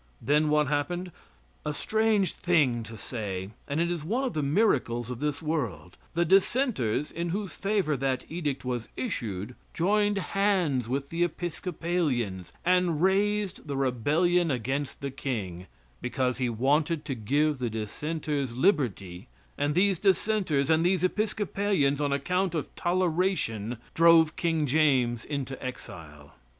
Then what happened? A strange thing to say, and it is one of the miracles of this world: The Dissenters, in whose favor that edict was issued, joined hands with the Episcopalians, and raised the rebellion against the king, because he wanted to give the Dissenters liberty, and these Dissenters and these Episcopalians, on account of toleration, drove King James into exile.